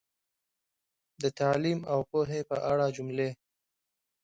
د تعلیم او پوهې په اړه جملې